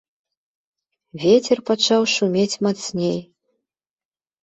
Вецер пачаў шумець мацней.